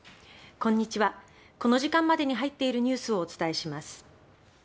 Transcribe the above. この時間までに入っているニュースをお伝えします。